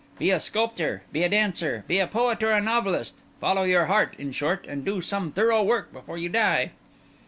"Be a sculptor, be a dancer, be a poet or a novelist; follow your heart, in short, and do some thorough work before you die."